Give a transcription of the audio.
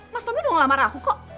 mas tommy udah ngelamar aku kok